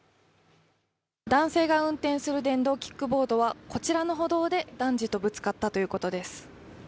男性が運転する電動キックボードはこちらの歩道で男児とぶつかったということです。